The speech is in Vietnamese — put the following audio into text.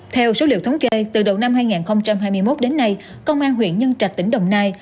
theo số liệu thống kê từ đầu năm hai nghìn hai mươi một đến nay công an huyện nhân trạch tỉnh đồng nai